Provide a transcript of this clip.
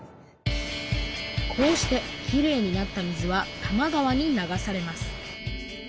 こうしてきれいになった水は多摩川に流されます